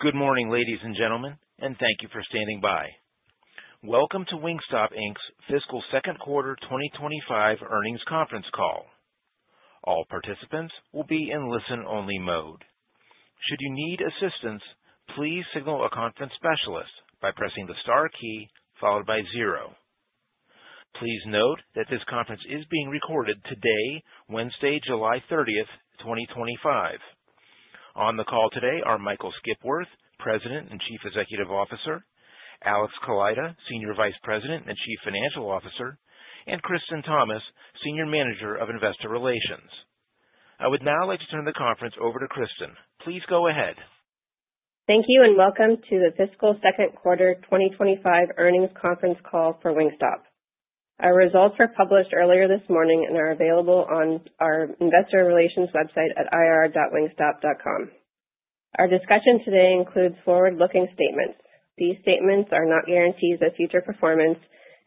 Good morning, ladies and gentlemen, and thank you for standing by. Welcome to Wingstop Inc.'s fiscal second quarter 2025 earnings conference call. All participants will be in listen-only mode. Should you need assistance, please signal a conference specialist by pressing the star key followed by zero. Please note that this conference is being recorded today, Wednesday, July 30th, 2025. On the call today are Michael Skipworth, President and Chief Executive Officer; Alex Kaleida, Senior Vice President and Chief Financial Officer; and Kristen Thomas, Senior Manager of Investor Relations. I would now like to turn the conference over to Kristen. Please go ahead. Thank you and welcome to the fiscal second quarter 2025 earnings conference call for Wingstop. Our results were published earlier this morning and are available on our investor relations website at ir.wingstop.com. Our discussion today includes forward-looking statements. These statements are not guarantees of future performance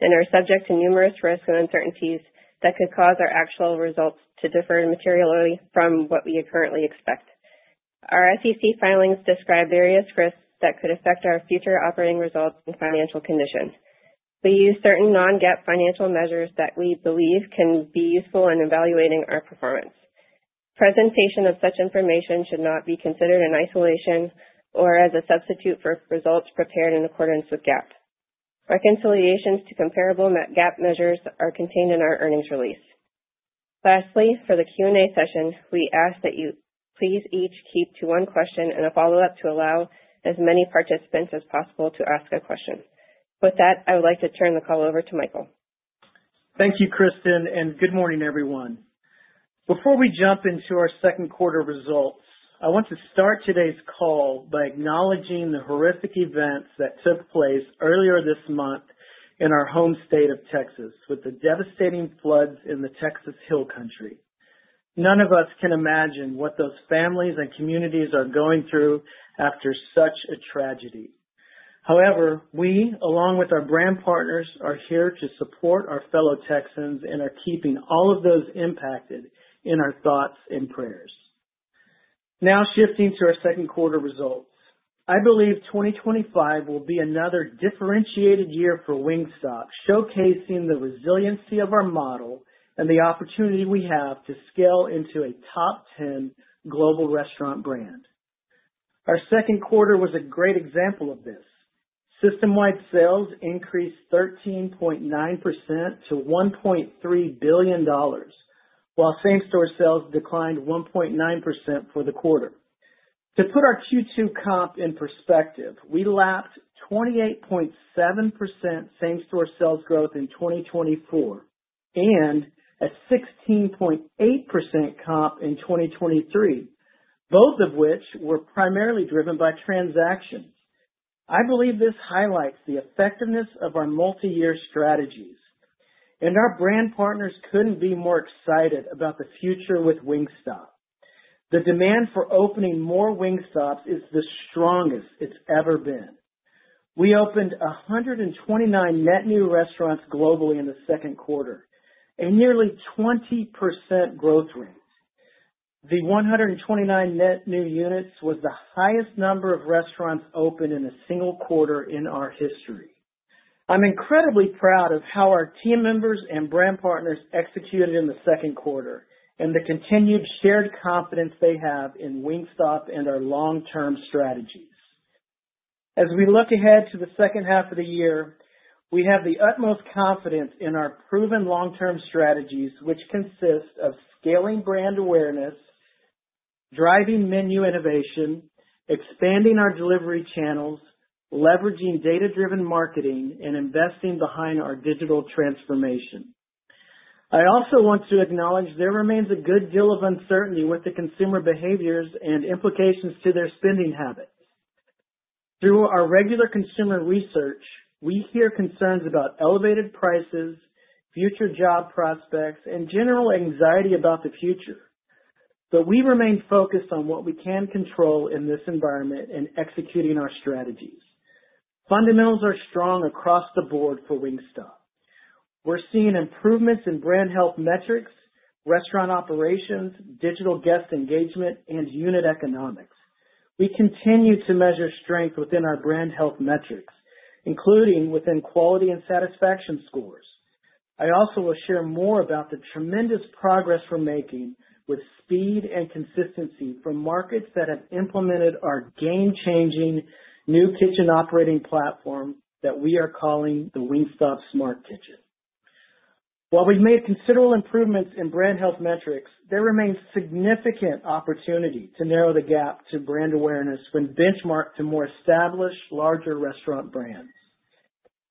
and are subject to numerous risks and uncertainties that could cause our actual results to differ materially from what we currently expect. Our SEC filings describe various risks that could affect our future operating results and financial conditions. We use certain non-GAAP financial measures that we believe can be useful in evaluating our performance. Presentation of such information should not be considered in isolation or as a substitute for results prepared in accordance with GAAP. Reconciliations to comparable GAAP measures are contained in our earnings release. Lastly, for the Q&A session, we ask that you please each keep to one question and a follow-up to allow as many participants as possible to ask a question. With that, I would like to turn the call over to Michael. Thank you, Kristen, and good morning, everyone. Before we jump into our second quarter results, I want to start today's call by acknowledging the horrific events that took place earlier this month in our home state of Texas with the devastating floods in the Texas Hill Country. None of us can imagine what those families and communities are going through after such a tragedy. However, we, along with our brand partners, are here to support our fellow Texans and are keeping all of those impacted in our thoughts and prayers. Now shifting to our second quarter results, I believe 2025 will be another differentiated year for Wingstop, showcasing the resiliency of our model and the opportunity we have to scale into a top 10 global restaurant brand. Our second quarter was a great example of this. System-wide sales increased 13.9% to $1.3 billion, while same-store sales declined 1.9% for the quarter. To put our Q2 comp in perspective, we lapped 28.7% same-store sales growth in 2024 and a 16.8% comp in 2023, both of which were primarily driven by transactions. I believe this highlights the effectiveness of our multi-year strategies, and our brand partners couldn't be more excited about the future with Wingstop. The demand for opening more Wingstops is the strongest it's ever been. We opened 129 net new restaurants globally in the second quarter, a nearly 20% growth rate. The 129 net new units was the highest number of restaurants opened in a single quarter in our history. I'm incredibly proud of how our team members and brand partners executed in the second quarter and the continued shared confidence they have in Wingstop and our long-term strategies. As we look ahead to the second half of the year, we have the utmost confidence in our proven long-term strategies, which consist of scaling brand awareness, driving menu innovation, expanding our delivery channels, leveraging data-driven marketing, and investing behind our digital transformation. I also want to acknowledge there remains a good deal of uncertainty with the consumer behaviors and implications to their spending habits. Through our regular consumer research, we hear concerns about elevated prices, future job prospects, and general anxiety about the future. We remain focused on what we can control in this environment and execute in our strategies. Fundamentals are strong across the board for Wingstop. We're seeing improvements in brand health metrics, restaurant operations, digital guest engagement, and unit economics. We continue to measure strength within our brand health metrics, including within quality and satisfaction scores. I also will share more about the tremendous progress we're making with speed and consistency from markets that have implemented our game-changing new kitchen operating platform that we are calling the Wingstop Smart Kitchen. While we've made considerable improvements in brand health metrics, there remains significant opportunity to narrow the gap to brand awareness when benchmarked to more established, larger restaurant brands.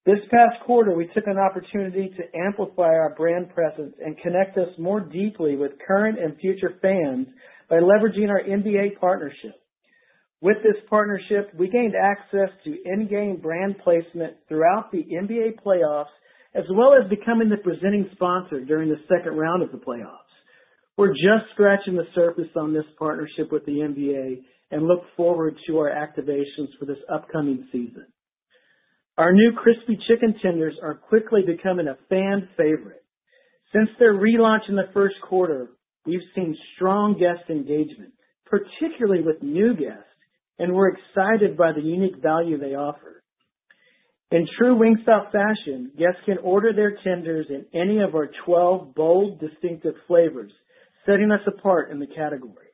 This past quarter, we took an opportunity to amplify our brand presence and connect us more deeply with current and future fans by leveraging our NBA partnership. With this partnership, we gained access to in-game brand placement throughout the NBA playoffs, as well as becoming the presenting sponsor during the second round of the playoffs. We're just scratching the surface on this partnership with the NBA and look forward to our activations for this upcoming season. Our new crispy chicken tenders are quickly becoming a fan favorite. Since their relaunch in the first quarter, we've seen strong guest engagement, particularly with new guests, and we're excited by the unique value they offer. In true Wingstop fashion, guests can order their tenders in any of our 12 bold, distinctive flavors, setting us apart in the category.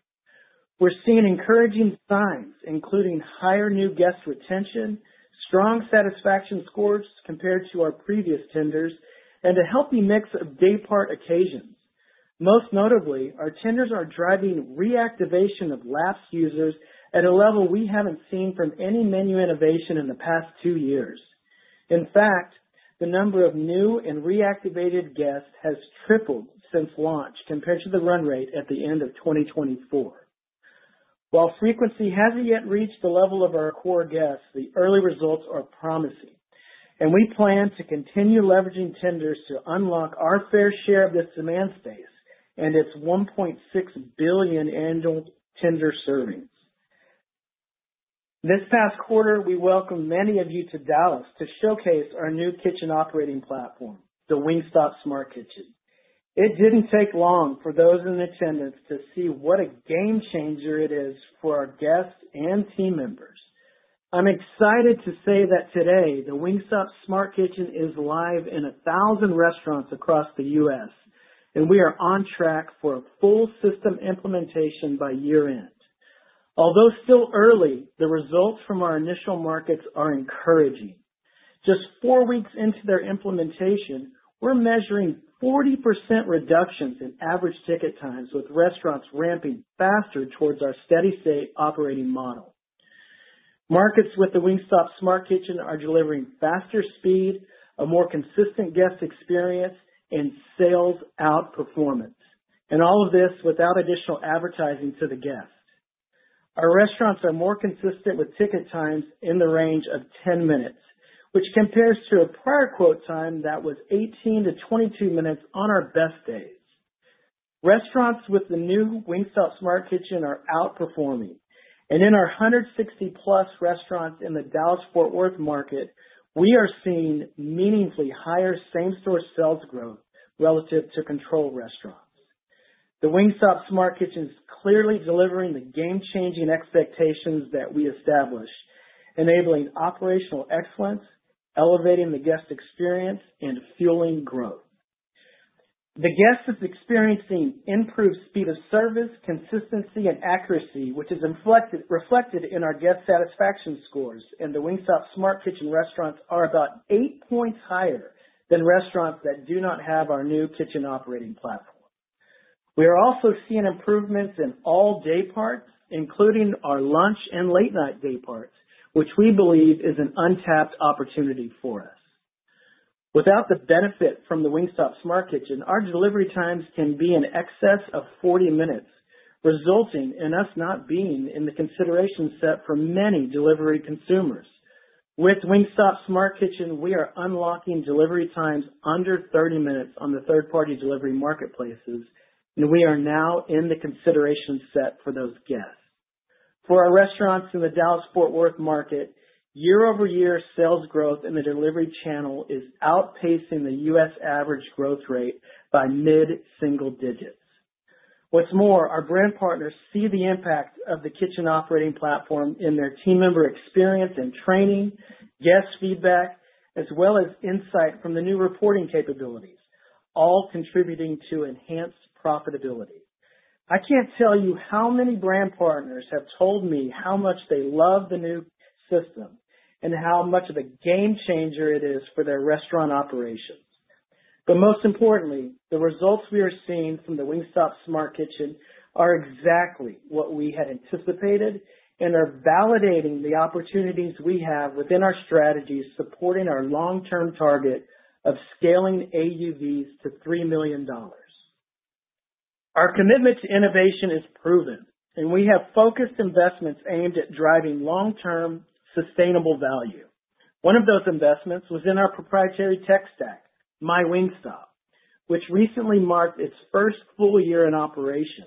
We're seeing encouraging signs, including higher new guest retention, strong satisfaction scores compared to our previous tenders, and a healthy mix of day part occasions. Most notably, our tenders are driving reactivation of lapsed users at a level we haven't seen from any menu innovation in the past two years. In fact, the number of new and reactivated guests has tripled since launch compared to the run rate at the end of 2024. While frequency hasn't yet reached the level of our core guests, the early results are promising. We plan to continue leveraging tenders to unlock our fair share of this demand space and its 1.6 billion annual tender servings. This past quarter, we welcomed many of you to Dallas to showcase our new kitchen operating platform, the Wingstop Smart Kitchen. It didn't take long for those in attendance to see what a game changer it is for our guests and team members. I'm excited to say that today, the Wingstop Smart Kitchen is live in 1,000 restaurants across the U.S., and we are on track for a full system implementation by year-end. Although still early, the results from our initial markets are encouraging. Just four weeks into their implementation, we're measuring 40% reductions in average ticket times with restaurants ramping faster towards our steady-state operating model. Markets with the Wingstop Smart Kitchen are delivering faster speed, a more consistent guest experience, and sales outperformance. All of this is without additional advertising to the guest. Our restaurants are more consistent with ticket times in the range of 10 minutes, which compares to a prior quote time that was 18- 22 minutes on our best days. Restaurants with the new Wingstop Smart Kitchen are outperforming. In our 160+ restaurants in the Dallas-Fort Worth market, we are seeing meaningfully higher same-store sales growth relative to controlled restaurants. The Wingstop Smart Kitchen is clearly delivering the game-changing expectations that we establish, enabling operational excellence, elevating the guest experience, and fueling growth. The guests are experiencing improved speed of service, consistency, and accuracy, which is reflected in our guest satisfaction scores. The Wingstop Smart Kitchen restaurants are about eight points higher than restaurants that do not have our new kitchen operating platform. We are also seeing improvements in all day parts, including our lunch and late-night day parts, which we believe is an untapped opportunity for us. Without the benefit from the Wingstop Smart Kitchen, our delivery times can be in excess of 40 minutes, resulting in us not being in the consideration set for many delivery consumers. With Wingstop Smart Kitchen, we are unlocking delivery times under 30 minutes on the third-party delivery marketplaces, and we are now in the consideration set for those guests. For our restaurants in the Dallas-Fort Worth market, year-over-year sales growth in the delivery channel is outpacing the U.S. average growth rate by mid-single digits. What's more, our brand partners see the impact of the kitchen operating platform in their team member experience and training, guest feedback, as well as insight from the new reporting capabilities, all contributing to enhanced profitability. I can't tell you how many brand partners have told me how much they love the new system and how much of a game changer it is for their restaurant operations. Most importantly, the results we are seeing from the Wingstop Smart Kitchen are exactly what we had anticipated and are validating the opportunities we have within our strategy, supporting our long-term target of scaling AUVs to $3 million. Our commitment to innovation is proven, and we have focused investments aimed at driving long-term sustainable value. One of those investments was in our proprietary tech stack, MyWingstop, which recently marked its first full year in operation.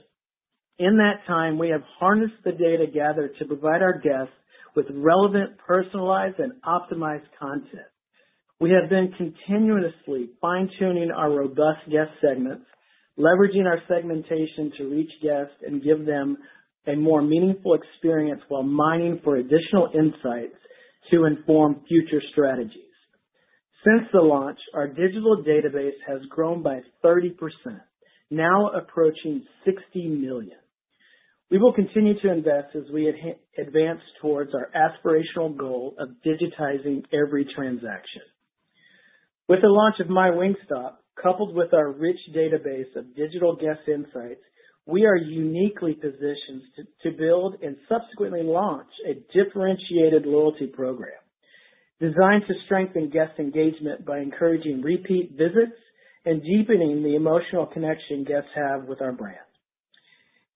In that time, we have harnessed the data gathered to provide our guests with relevant, personalized, and optimized content. We have been continuously fine-tuning our robust guest segments, leveraging our segmentation to reach guests and give them a more meaningful experience while mining for additional insights to inform future strategies. Since the launch, our digital database has grown by 30%, now approaching 60 million. We will continue to invest as we advance towards our aspirational goal of digitizing every transaction. With the launch of MyWingstop, coupled with our rich database of digital guest insights, we are uniquely positioned to build and subsequently launch a differentiated loyalty program designed to strengthen guest engagement by encouraging repeat visits and deepening the emotional connection guests have with our brand.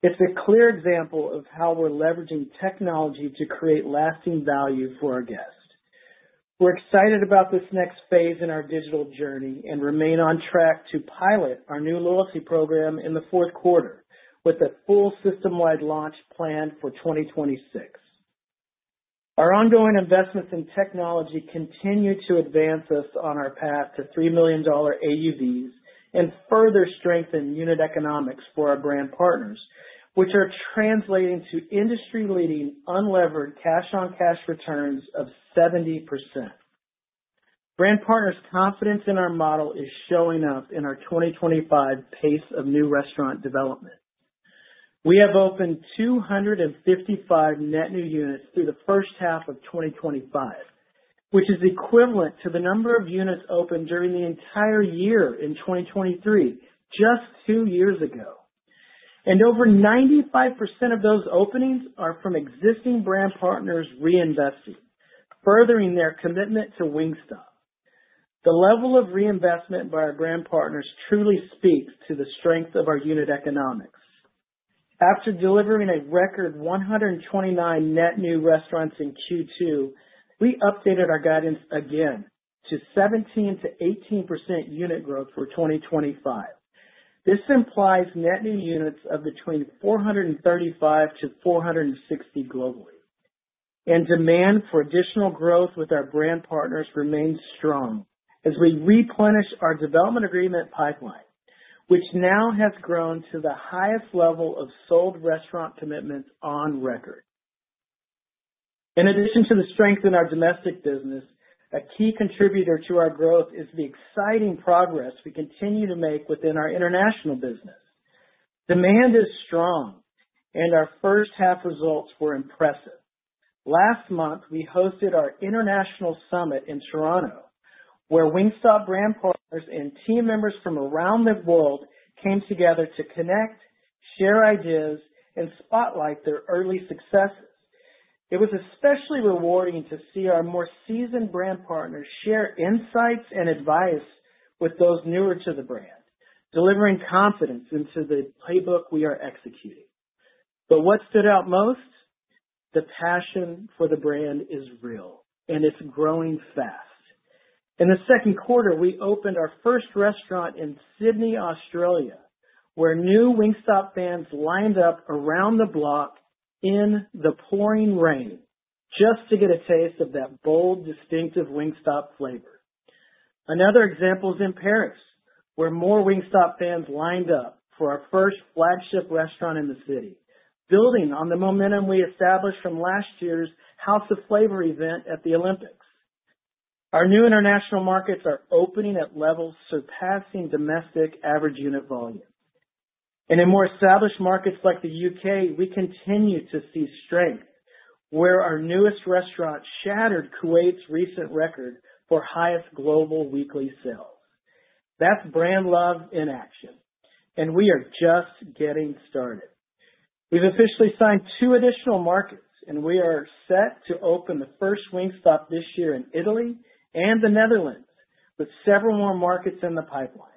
It's a clear example of how we're leveraging technology to create lasting value for our guests. We're excited about this next phase in our digital journey and remain on track to pilot our new loyalty program in the fourth quarter with a full system-wide launch planned for 2026. Our ongoing investments in technology continue to advance us on our path to $3 million AUVs and further strengthen unit economics for our brand partners, which are translating to industry-leading unlevered cash-on-cash returns of 70%. Brand partners' confidence in our model is showing up in our 2025 pace of new restaurant development. We have opened 255 net new units through the first half of 2025, which is equivalent to the number of units opened during the entire year in 2023 just two years ago. Over 95% of those openings are from existing brand partners reinvesting, furthering their commitment to Wingstop. The level of reinvestment by our brand partners truly speaks to the strength of our unit economics. After delivering a record 129 net new restaurants in Q2, we updated our guidance again to 17%-18% unit growth for 2025. This implies net new units of between 435-460 globally. Demand for additional growth with our brand partners remains strong as we replenish our development agreement pipeline, which now has grown to the highest level of sold restaurant commitments on record. In addition to the strength in our domestic business, a key contributor to our growth is the exciting progress we continue to make within our international business. Demand is strong, and our first half results were impressive. Last month, we hosted our international summit in Toronto, where Wingstop brand partners and team members from around the world came together to connect, share ideas, and spotlight their early successes. It was especially rewarding to see our more seasoned brand partners share insights and advice with those newer to the brand, delivering confidence into the playbook we are executing. What stood out most? The passion for the brand is real, and it's growing fast. In the second quarter, we opened our first restaurant in Sydney, Australia, where new Wingstop fans lined up around the block in the pouring rain just to get a taste of that bold, distinctive Wingstop flavor. Another example is in Paris, where more Wingstop fans lined up for our first flagship restaurant in the city, building on the momentum we established from last year's House of Flavor event at the Olympics. Our new international markets are opening at levels surpassing domestic average unit volumes. In more established markets like the U.K., we continue to see strength, where our newest restaurant shattered Kuwait's recent record for highest global weekly sales. That's brand love in action, and we are just getting started. We've officially signed two additional markets, and we are set to open the first Wingstop this year in Italy and the Netherlands with several more markets in the pipeline.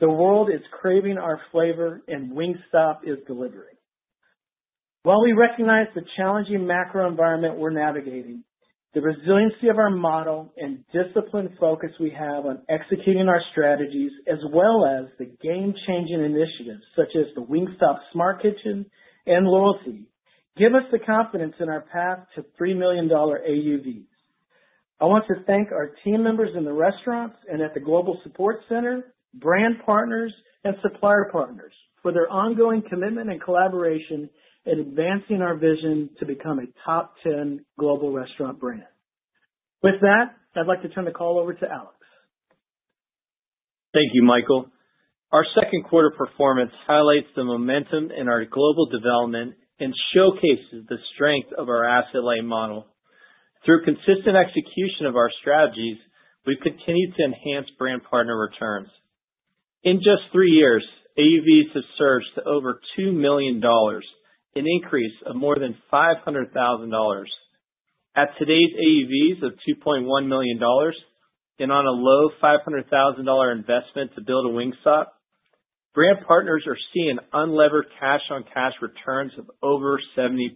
The world is craving our flavor, and Wingstop is delivering. While we recognize the challenging macro environment we're navigating, the resiliency of our model and disciplined focus we have on executing our strategies, as well as the game-changing initiatives such as the Wingstop Smart Kitchen and loyalty, give us the confidence in our path to $3 million AUVs. I want to thank our team members in the restaurants and at the global support center, brand partners, and supplier partners for their ongoing commitment and collaboration in advancing our vision to become a top 10 global restaurant brand. With that, I'd like to turn the call over to Alex. Thank you, Michael. Our second quarter performance highlights the momentum in our global development and showcases the strength of our asset-light model. Through consistent execution of our strategies, we've continued to enhance brand partner returns. In just three years, AUVs have surged to over $2 million, an increase of more than $500,000. At today's AUVs of $2.1 million and on a low $500,000 investment to build a Wingstop, brand partners are seeing unlevered cash-on-cash returns of over 70%.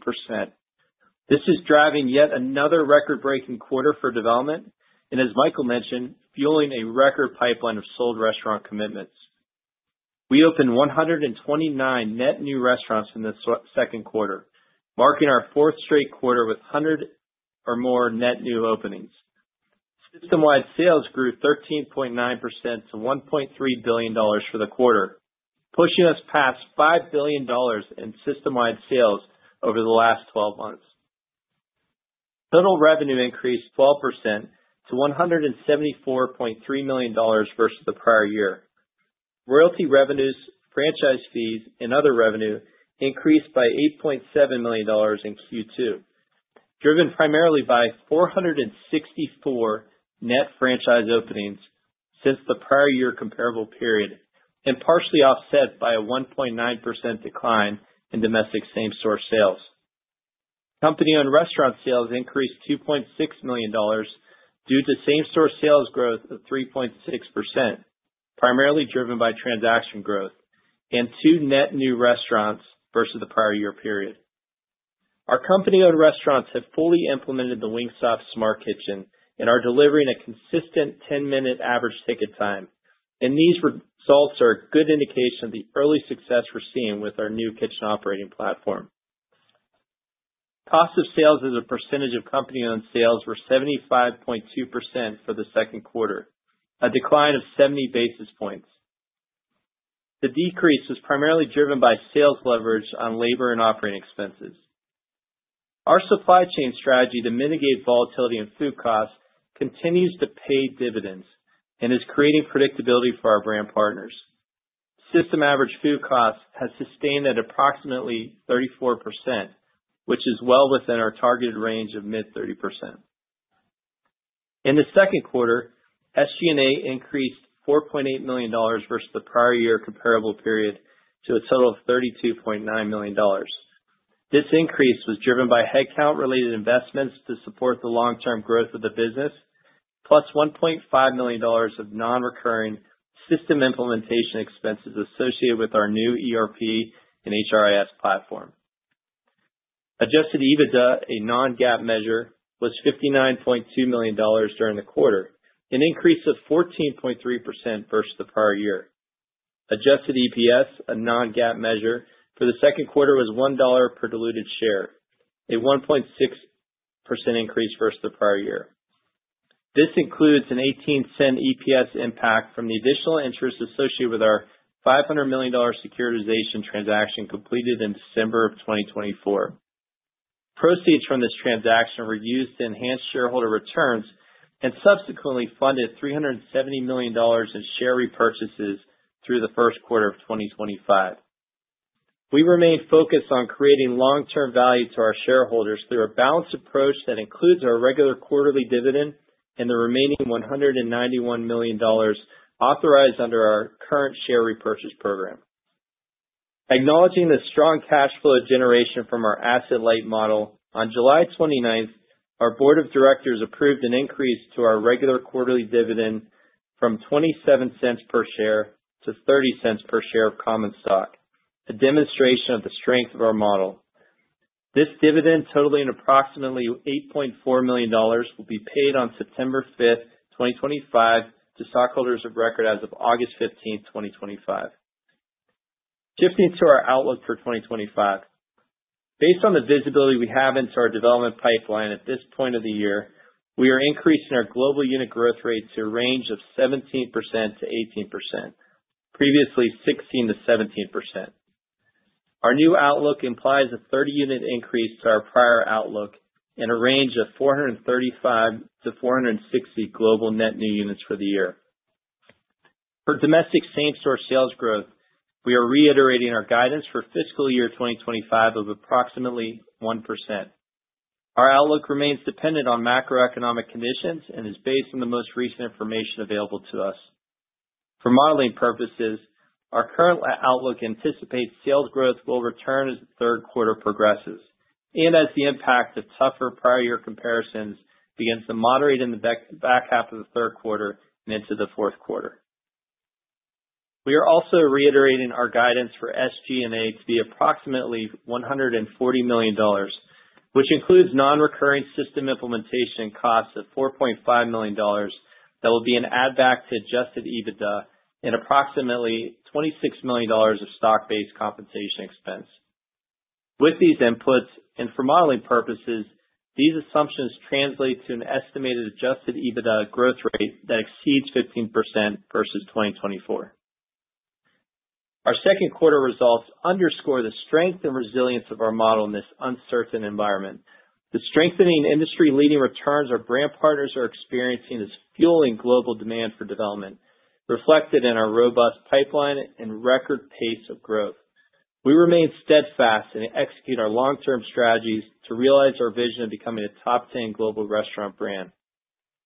This is driving yet another record-breaking quarter for development and, as Michael mentioned, fueling a record pipeline of sold restaurant commitments. We opened 129 net new restaurants in this second quarter, marking our fourth straight quarter with 100 or more net new openings. System-wide sales grew 13.9% to $1.3 billion for the quarter, pushing us past $5 billion in system-wide sales over the last 12 months. Total revenue increased 12% to $174.3 million versus the prior year. Royalty revenues, franchise fees, and other revenue increased by $8.7 million in Q2, driven primarily by 464 net franchise openings since the prior year comparable period and partially offset by a 1.9% decline in domestic same-store sales. Company-owned restaurant sales increased $2.6 million due to same-store sales growth of 3.6%, primarily driven by transaction growth and two net new restaurants versus the prior year period. Our company-owned restaurants have fully implemented the Wingstop Smart Kitchen and are delivering a consistent 10-minute average ticket time. These results are a good indication of the early success we're seeing with our new kitchen operating platform. Cost of sales as a percentage of company-owned sales were 75.2% for the second quarter, a decline of 70 basis points. The decrease was primarily driven by sales leverage on labor and operating expenses. Our supply chain strategy to mitigate volatility in food costs continues to pay dividends and is creating predictability for our brand partners. System average food costs have sustained at approximately 34%, which is well within our targeted range of mid-30%. In the second quarter, SG&A increased $4.8 million versus the prior year comparable period to a total of $32.9 million. This increase was driven by headcount-related investments to support the long-term growth of the business, plus $1.5 million of non-recurring system implementation expenses associated with our new ERP and HRIS platform. Adjusted EBITDA, a non-GAAP measure, was $59.2 million during the quarter, an increase of 14.3% versus the prior year. Adjusted EPS, a non-GAAP measure, for the second quarter was $1 per diluted share, a 1.6% increase versus the prior year. This includes an $0.18 EPS impact from the additional interest associated with our $500 million securitization transaction completed in December of 2024. Proceeds from this transaction were used to enhance shareholder returns and subsequently funded $370 million in share repurchases through the first quarter of 2025. We remain focused on creating long-term value to our shareholders through a balanced approach that includes our regular quarterly dividend and the remaining $191 million authorized under our current share repurchase program. Acknowledging the strong cash flow generation from our asset-light model, on July 29th, our Board of Directors approved an increase to our regular quarterly dividend from $0.27 per share to $0.30 per share of common stock, a demonstration of the strength of our model. This dividend, totaling approximately $8.4 million, will be paid on September 5th, 2025, to stockholders of record as of August 15, 2025. Shifting to our outlook for 2025, based on the visibility we have into our development pipeline at this point of the year, we are increasing our global unit growth rate to a range of 17%-18%, previously 16%-17%. Our new outlook implies a 30-unit increase to our prior outlook and a range of 435-460 global net new units for the year. For domestic same-store sales growth, we are reiterating our guidance for fiscal year 2025 of approximately 1%. Our outlook remains dependent on macroeconomic conditions and is based on the most recent information available to us. For modeling purposes, our current outlook anticipates sales growth will return as the third quarter progresses and as the impact of tougher prior year comparisons begins to moderate in the back half of the third quarter and into the fourth quarter. We are also reiterating our guidance for SG&A to be approximately $140 million, which includes non-recurring system implementation costs of $4.5 million that will be an add-back to adjusted EBITDA and approximately $26 million of stock-based compensation expense. With these inputs and for modeling purposes, these assumptions translate to an estimated adjusted EBITDA growth rate that exceeds 15% versus 2024. Our second quarter results underscore the strength and resilience of our model in this uncertain environment. The strengthening industry-leading returns our brand partners are experiencing is fueling global demand for development, reflected in our robust pipeline and record pace of growth. We remain steadfast and execute our long-term strategies to realize our vision of becoming a top 10 global restaurant brand.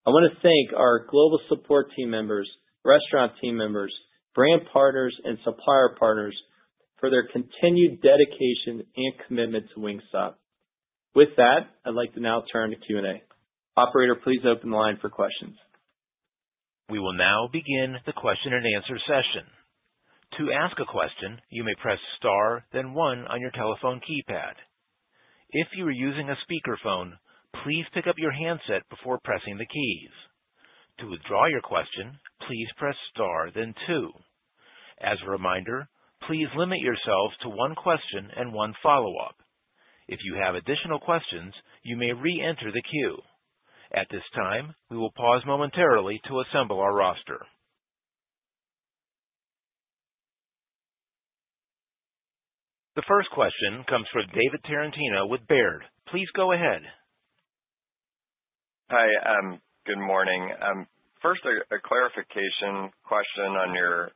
I want to thank our global support team members, restaurant team members, brand partners, and supplier partners for their continued dedication and commitment to Wingstop. With that, I'd like to now turn to Q&A. Operator, please open the line for questions. We will now begin the question and answer session. To ask a question, you may press star, then one on your telephone keypad. If you are using a speakerphone, please pick up your handset before pressing the keys. To withdraw your question, please press star, then two. As a reminder, please limit yourself to one question and one follow-up. If you have additional questions, you may re-enter the queue. At this time, we will pause momentarily to assemble our roster. The first question comes from David Tarantino with Baird. Please go ahead. Hi. Good morning. First, a clarification question on your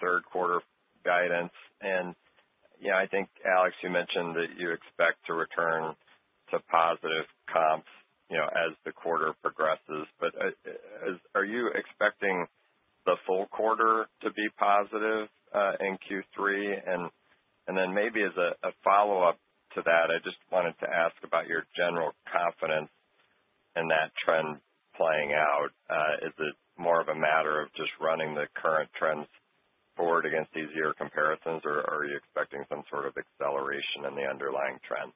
third quarter guidance. I think, Alex, you mentioned that you expect to return to positive comps as the quarter progresses. Are you expecting the full quarter to be positive in Q3? Maybe as a follow-up to that, I just wanted to ask about your general confidence in that trend playing out. Is it more of a matter of just running the current trends forward against these year comparisons, or are you expecting some sort of acceleration in the underlying trend?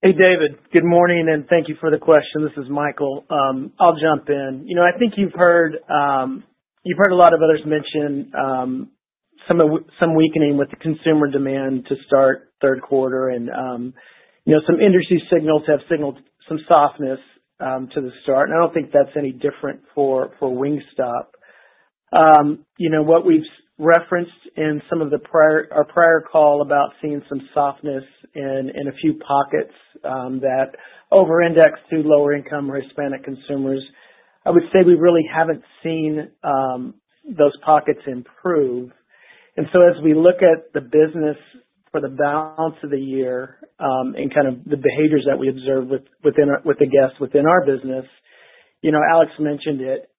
Thanks. Hey, David. Good morning, and thank you for the question. This is Michael. I'll jump in. I think you've heard a lot of others mention some weakening with the consumer demand to start third quarter. Some industry signals have signaled some softness to the start. I don't think that's any different for Wingstop. What we've referenced in our prior call about seeing some softness in a few pockets that over-index to lower-income or Hispanic consumers, I would say we really haven't seen those pockets improve. As we look at the business for the balance of the year and the behaviors that we observe within our guests within our business, Alex mentioned it,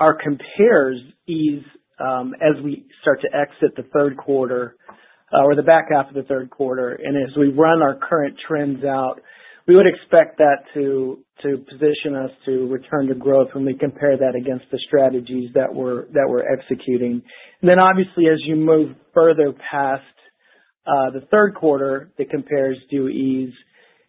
our compares ease as we start to exit the third quarter or the back half of the third quarter. As we run our current trends out, we would expect that to position us to return to growth when we compare that against the strategies that we're executing. Obviously, as you move further past the third quarter, the compares do ease.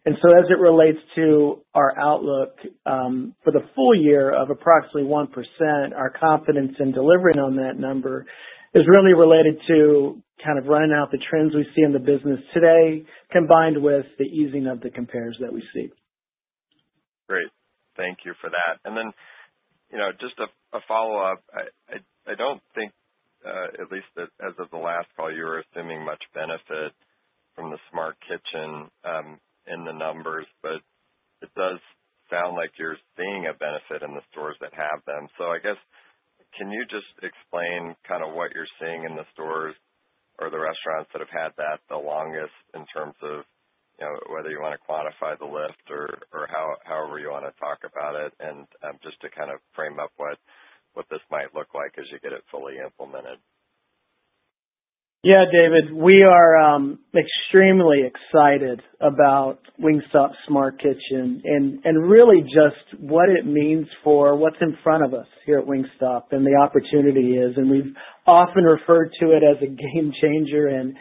As it relates to our outlook for the full year of approximately 1%, our confidence in delivering on that number is really related to running out the trends we see in the business today, combined with the easing of the compares that we see. Great. Thank you for that. Just a follow-up. I don't think, at least that as of the last call, you were assuming much benefit from the Smart Kitchen in the numbers, but it does sound like you're seeing a benefit in the stores that have them. I guess, can you just explain what you're seeing in the stores or the restaurants that have had that the longest in terms of whether you want to quantify the lift or however you want to talk about it? Just to frame up what this might look like as you get it fully implemented. Yeah, David. We are extremely excited about Wingstop Smart Kitchen and really just what it means for what's in front of us here at Wingstop and the opportunity is. We've often referred to it as a game changer, and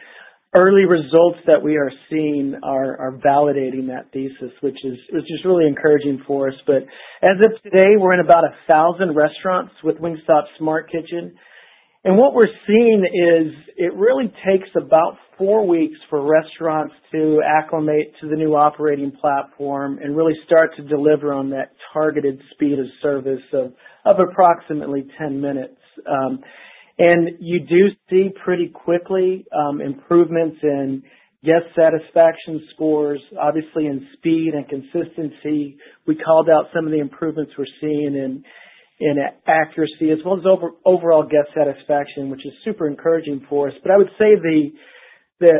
early results that we are seeing are validating that thesis, which is just really encouraging for us. As of today, we're in about 1,000 restaurants with Wingstop Smart Kitchen. What we're seeing is it really takes about four weeks for restaurants to acclimate to the new operating platform and really start to deliver on that targeted speed of service of approximately 10 minutes. You do see pretty quickly improvements in guest satisfaction scores, obviously, in speed and consistency. We called out some of the improvements we're seeing in accuracy, as well as overall guest satisfaction, which is super encouraging for us. I would say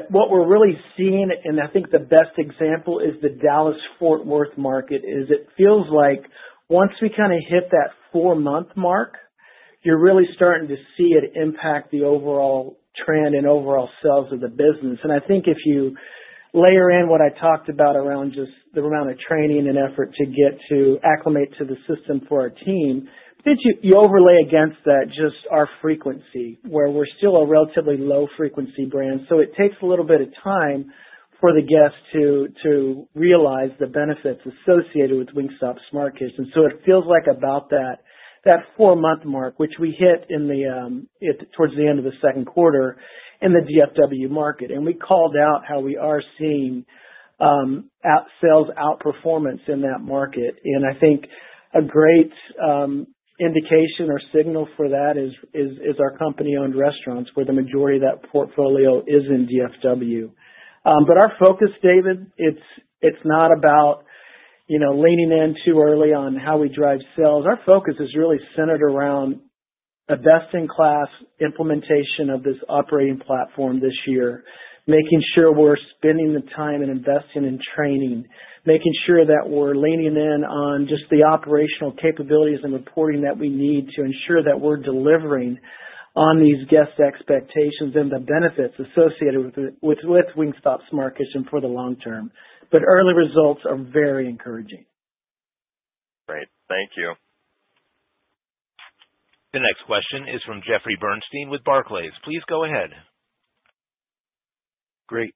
what we're really seeing, and I think the best example is the Dallas-Fort Worth market, is it feels like once we kind of hit that four-month mark, you're really starting to see it impact the overall trend and overall sales of the business. I think if you layer in what I talked about around just the amount of training and effort to get to acclimate to the system for our team, but then you overlay against that just our frequency, where we're still a relatively low-frequency brand. It takes a little bit of time for the guests to realize the benefits associated with Wingstop Smart Kitchen. It feels like about that four-month mark, which we hit towards the end of the second quarter in the Dallas-Fort Worth market. We called out how we are seeing sales outperformance in that market. I think a great indication or signal for that is our company-owned restaurants, where the majority of that portfolio is in DFW. Our focus, David, it's not about leaning in too early on how we drive sales. Our focus is really centered around a best-in-class implementation of this operating platform this year, making sure we're spending the time and investing in training, making sure that we're leaning in on just the operational capabilities and reporting that we need to ensure that we're delivering on these guest expectations and the benefits associated with Wingstop Smart Kitchen for the long term. Early results are very encouraging. Great, thank you. The next question is from Jeffrey Bernstein with Barclays. Please go ahead. Great.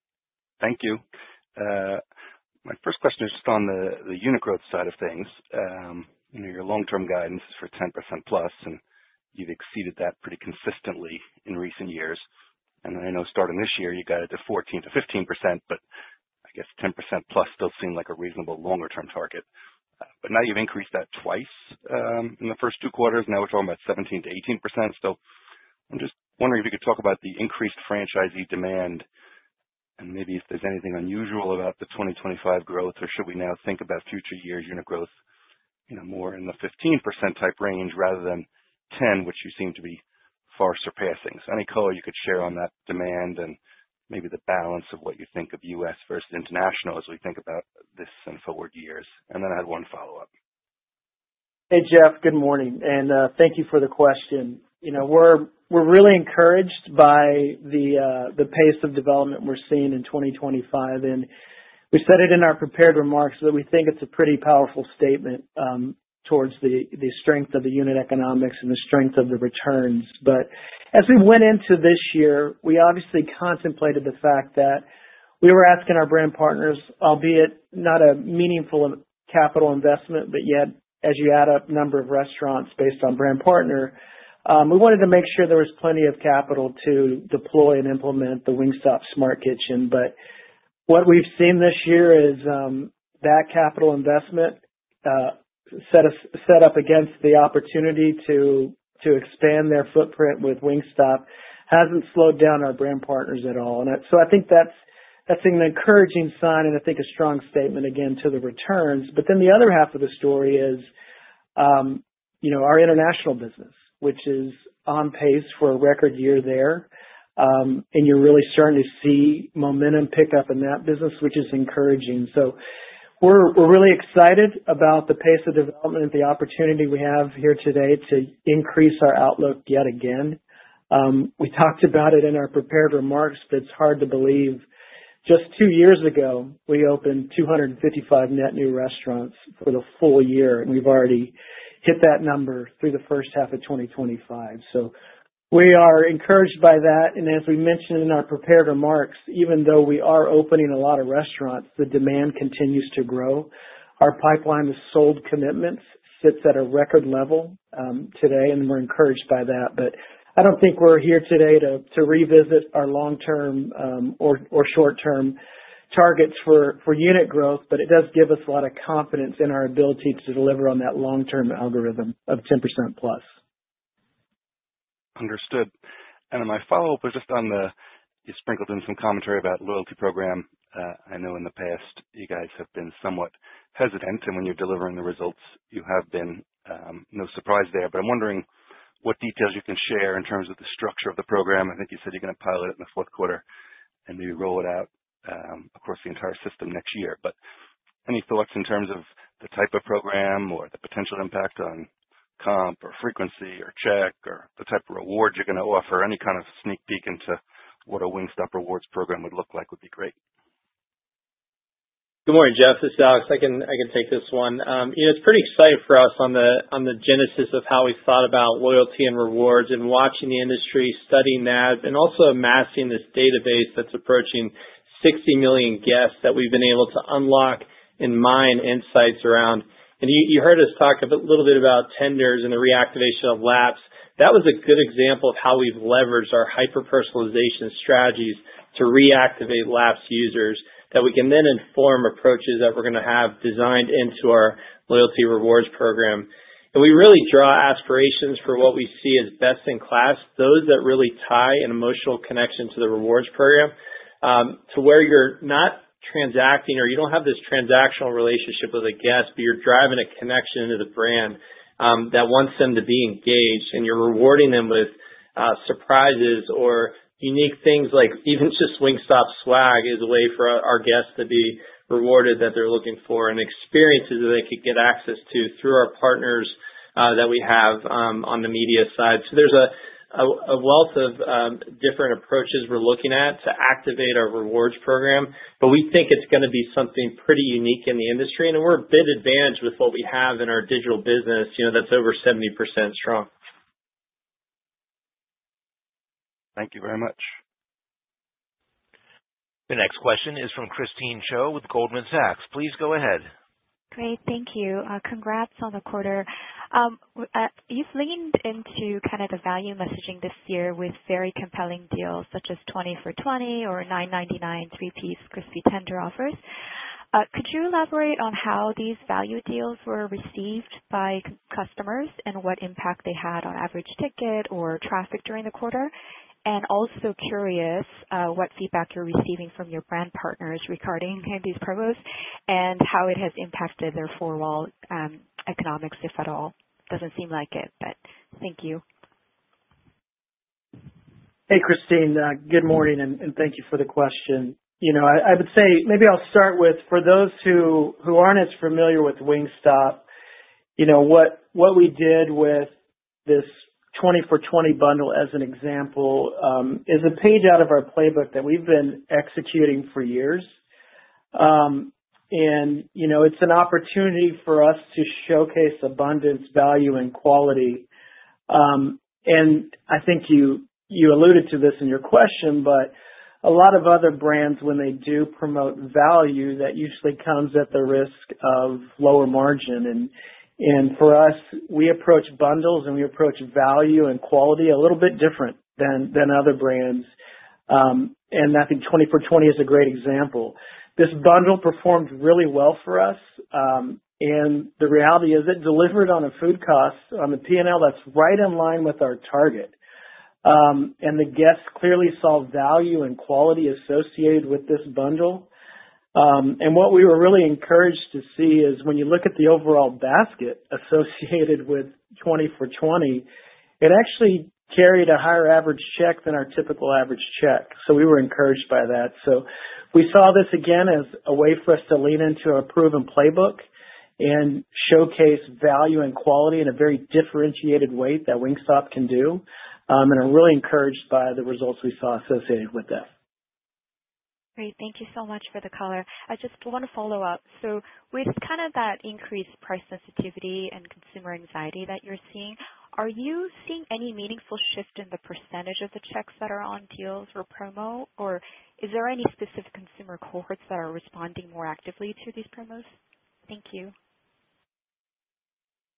Thank you. My first question is just on the unit growth side of things. You know, your long-term guidance is for 10%+, and you've exceeded that pretty consistently in recent years. I know starting this year, you guided to 14%, 15%, but I guess 10%+ still seemed like a reasonable longer-term target. Now you've increased that twice in the first two quarters. Now we're talking about 17%-18%. I'm just wondering if you could talk about the increased franchisee demand and maybe if there's anything unusual about the 2025 growth, or should we now think about future year unit growth more in the 15% type range rather than 10%, which you seem to be far surpassing? Any color you could share on that demand and maybe the balance of what you think of U.S. versus international as we think about this and forward years. I had one follow-up. Hey, Jeff. Good morning. Thank you for the question. We're really encouraged by the pace of development we're seeing in 2025. We said it in our prepared remarks that we think it's a pretty powerful statement toward the strength of the unit economics and the strength of the returns. As we went into this year, we obviously contemplated the fact that we were asking our brand partners, albeit not a meaningful capital investment, but yet, as you add up the number of restaurants based on brand partner, we wanted to make sure there was plenty of capital to deploy and implement the Wingstop Smart Kitchen. What we've seen this year is that capital investment, set up against the opportunity to expand their footprint with Wingstop, hasn't slowed down our brand partners at all. I think that's an encouraging sign and I think a strong statement, again, to the returns. The other half of the story is our international business, which is on pace for a record year there. You're really starting to see momentum pick up in that business, which is encouraging. We're really excited about the pace of development, the opportunity we have here today to increase our outlook yet again. We talked about it in our prepared remarks, but it's hard to believe just two years ago, we opened 255 net new restaurants for the full year, and we've already hit that number through the first half of 2025. We are encouraged by that. As we mentioned in our prepared remarks, even though we are opening a lot of restaurants, the demand continues to grow. Our pipeline of sold commitments sits at a record level today, and we're encouraged by that. I don't think we're here today to revisit our long-term or short-term targets for unit growth, but it does give us a lot of confidence in our ability to deliver on that long-term algorithm of 10%+. Understood. My follow-up was just on the, you sprinkled in some commentary about the loyalty program. I know in the past, you guys have been somewhat hesitant. When you're delivering the results you have been, no surprise there. I'm wondering what details you can share in terms of the structure of the program. I think you said you're going to pilot it in the fourth quarter and maybe roll it out across the entire system next year. Any thoughts in terms of the type of program or the potential impact on comp or frequency or check or the type of reward you're going to offer? Any kind of sneak peek into what a Wingstop rewards program would look like would be great. Good morning, Jeff. This is Alex. I can take this one. It's pretty exciting for us on the genesis of how we've thought about loyalty and rewards and watching the industry, studying that, and also amassing this database that's approaching 60 million guests that we've been able to unlock and mine insights around. You heard us talk a little bit about tenders and the reactivation of laps. That was a good example of how we've leveraged our hyper-personalization strategies to reactivate lapsed users that we can then inform approaches that we're going to have designed into our loyalty rewards program. We really draw aspirations for what we see as best in class, those that really tie an emotional connection to the rewards program, to where you're not transacting or you don't have this transactional relationship with a guest, but you're driving a connection into the brand that wants them to be engaged. You're rewarding them with surprises or unique things like even just Wingstop swag as a way for our guests to be rewarded that they're looking for and experiences that they could get access to through our partners that we have on the media side. There's a wealth of different approaches we're looking at to activate our rewards program. We think it's going to be something pretty unique in the industry. We're a bit advanced with what we have in our digital business, that's over 70% strong. Thank you very much. The next question is from Christine Cho with Goldman Sachs. Please go ahead. Great. Thank you. Congrats on the quarter. You've leaned into kind of the value messaging this year with very compelling deals such as 20 for $20 or $9.99 three-piece crispy chicken tender offers. Could you elaborate on how these value deals were received by customers and what impact they had on average ticket or traffic during the quarter? Also curious, what feedback you're receiving from your brand partners regarding these promos and how it has impacted their four-wall economics, if at all. It doesn't seem like it, but thank you. Hey, Christine. Good morning, and thank you for the question. I would say maybe I'll start with, for those who aren't as familiar with Wingstop, what we did with this 20 for $20 bundle as an example is a page out of our playbook that we've been executing for years. It's an opportunity for us to showcase abundance, value, and quality. I think you alluded to this in your question, but a lot of other brands, when they do promote value, that usually comes at the risk of lower margin. For us, we approach bundles and we approach value and quality a little bit different than other brands. I think 20 for $20 is a great example. This bundle performed really well for us, and the reality is it delivered on a food cost on the P&L that's right in line with our target. The guests clearly saw value and quality associated with this bundle. What we were really encouraged to see is when you look at the overall basket associated with 20 for $20, it actually carried a higher average check than our typical average check. We were encouraged by that. We saw this again as a way for us to lean into our proven playbook and showcase value and quality in a very differentiated way that Wingstop can do. I'm really encouraged by the results we saw associated with that. Great. Thank you so much for the color. I just want to follow up. With kind of that increased price sensitivity and consumer anxiety that you're seeing, are you seeing any meaningful shift in the percentage of the checks that are on deals or promo, or is there any specific consumer cohorts that are responding more actively to these promos? Thank you.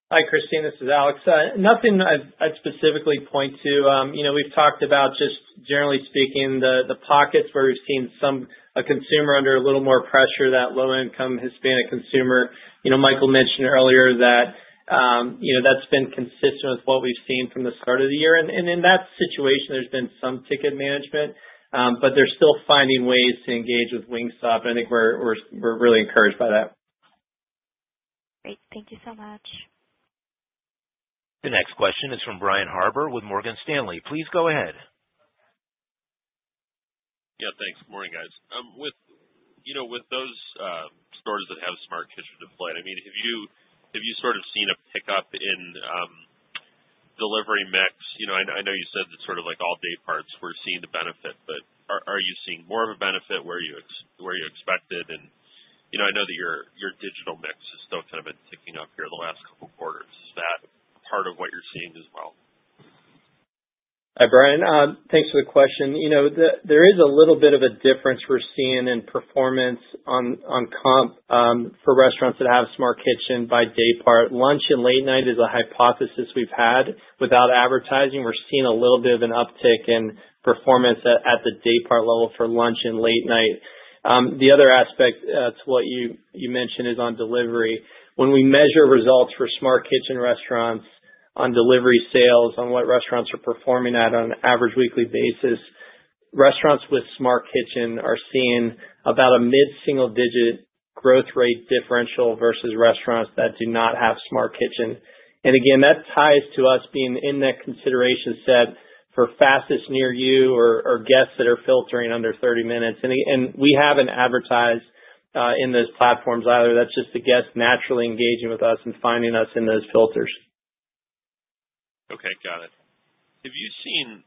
Hi, Christine. This is Alex. Nothing I'd specifically point to. We've talked about, just generally speaking, the pockets where we've seen a consumer under a little more pressure, that low-income Hispanic consumer. You know, Michael mentioned earlier that that's been consistent with what we've seen from the start of the year. In that situation, there's been some ticket management, but they're still finding ways to engage with Wingstop. I think we're really encouraged by that. Great. Thank you so much. The next question is from Brian Harbour with Morgan Stanley. Please go ahead. Yeah, thanks. Morning, guys. With those stores that have a Smart Kitchen deployed, have you seen a pickup in delivery mix? I know you said that all dayparts were seeing the benefit, but are you seeing more of a benefit where you expected? I know that your digital mix has still kind of been ticking up here in the last couple of quarters. Is that part of what you're seeing as well? Hi, Brian. Thanks for the question. You know, there is a little bit of a difference we're seeing in performance on comp, for restaurants that have Smart Kitchen by day part. Lunch and late night is a hypothesis we've had. Without advertising, we're seeing a little bit of an uptick in performance at the day part level for lunch and late night. The other aspect, to what you mentioned is on delivery. When we measure results for Smart Kitchen restaurants on delivery sales, on what restaurants are performing at on an average weekly basis, restaurants with Smart Kitchen are seeing about a mid-single-digit growth rate differential versus restaurants that do not have Smart Kitchen. That ties to us being in that consideration set for fastest near you or guests that are filtering under 30 minutes. We haven't advertised in those platforms either. That's just the guests naturally engaging with us and finding us in those filters. Okay. Got it. Have you seen,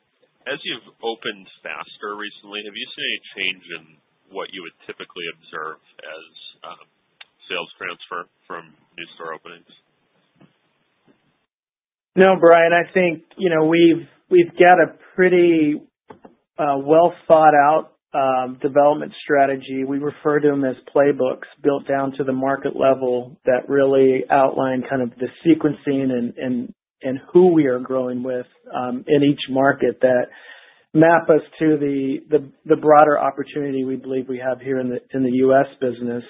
as you've opened faster recently, have you seen any change in what you would typically observe as sales transfer from new store openings? No, Brian. I think we've got a pretty well-thought-out development strategy. We refer to them as playbooks built down to the market level that really outline the sequencing and who we are growing with in each market that map us to the broader opportunity we believe we have here in the U.S. business.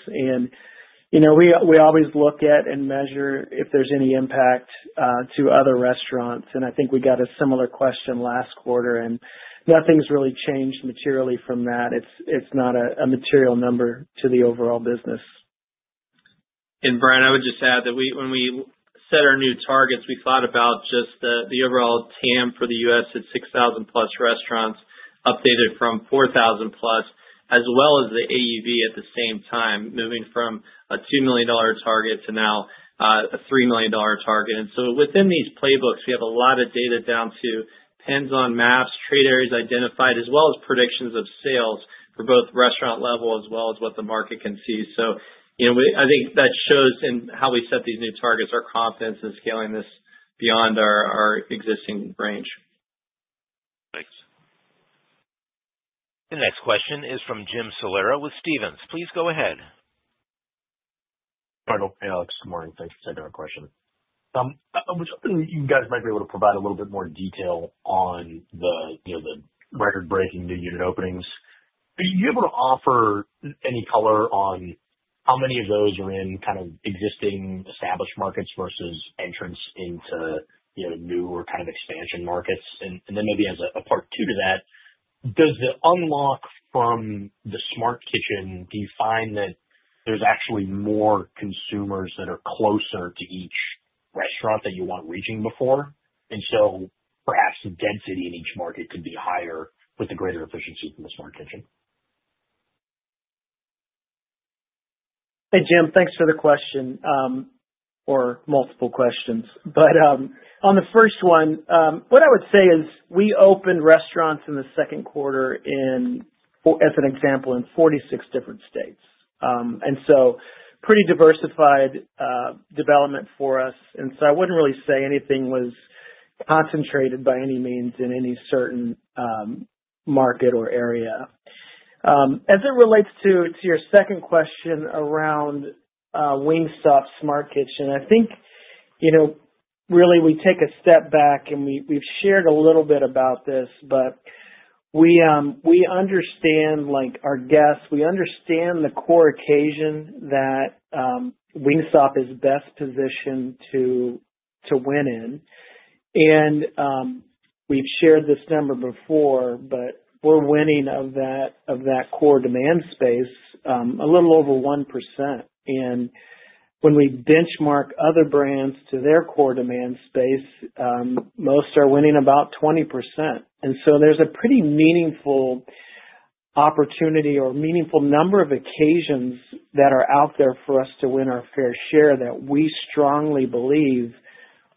We always look at and measure if there's any impact to other restaurants. I think we got a similar question last quarter, and nothing's really changed materially from that. It's not a material number to the overall business. Brian, I would just add that when we set our new targets, we thought about the overall TAM for the U.S. at 6,000+ restaurants updated from 4,000+, as well as the AUV at the same time, moving from a $2 million target to now a $3 million target. Within these playbooks, we have a lot of data down to hands-on maps, trade areas identified, as well as predictions of sales for both restaurant level as well as what the market can see. I think that shows in how we set these new targets our confidence in scaling this beyond our existing range. Thanks. The next question is from Jim Salera with Stephens. Please go ahead. Hi, Alex. Good morning. Thanks for sending our question. I was hoping you guys might be able to provide a little bit more detail on the, you know, the record-breaking new unit openings. Are you able to offer any color on how many of those are in kind of existing established markets versus entrance into, you know, new or kind of expansion markets? Maybe as a part two to that, does the unlock from the Smart Kitchen, do you find that there's actually more consumers that are closer to each restaurant that you weren't reaching before? Perhaps the density in each market could be higher with the greater efficiency from the Smart Kitchen. Hey, Jim. Thanks for the question, or multiple questions. On the first one, what I would say is we opened restaurants in the second quarter in, as an example, in 46 different states, and so pretty diversified development for us. I wouldn't really say anything was concentrated by any means in any certain market or area. As it relates to your second question around Wingstop Smart Kitchen, I think, you know, really we take a step back and we've shared a little bit about this, but we understand our guests, we understand the core occasion that Wingstop is best positioned to win in. We've shared this number before, but we're winning of that core demand space, a little over 1%. When we benchmark other brands to their core demand space, most are winning about 20%. There's a pretty meaningful opportunity or meaningful number of occasions that are out there for us to win our fair share that we strongly believe